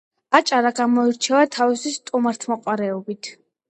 აჭარა გამოირჩევა თავისი სტუმართმოყვარეობით